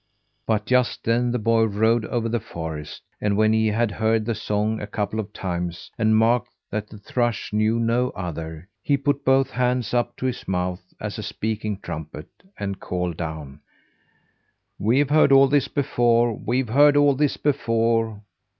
But just then the boy rode over the forest; and when he had heard the song a couple of times, and marked that the thrush knew no other, he put both hands up to his mouth as a speaking trumpet, and called down: "We've heard all this before. We've heard all this before."